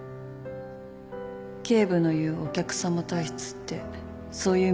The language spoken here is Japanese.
警部の言うお客さま体質ってそういう意味じゃないんだよ。